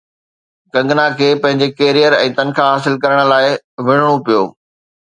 ڪنگنا کي پنهنجي ڪيريئر ۽ تنخواه حاصل ڪرڻ لاءِ وڙهڻو پيو